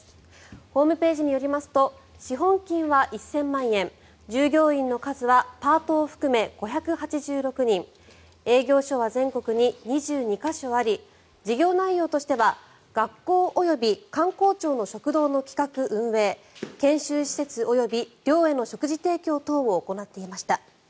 ホームページによりますと資本金は１０００万円従業員の数はパートを含め５８６人営業所は全国に２２か所あり事業内容としては学校及び官公庁の食堂の企画・運営研修施設及び寮への食事提供等を行っていました。